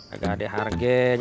agak ada harganya